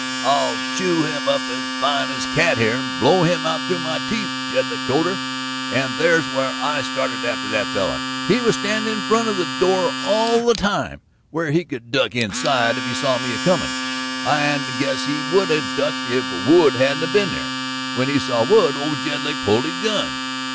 "'I'll chaw him up as fine as cat hair and blow him out through my teeth,' Jedlick told her. And there's where I started after that feller. He was standin' in front of the door all the time, where he could duck inside if he saw me comin', and I guess he would 'a' ducked if Wood hadn't 'a' been there. When he saw Wood, old Jedlick pulled his gun.